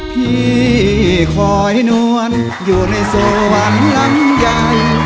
พี่คอยนวลอยู่ในสวรรค์หลังใหญ่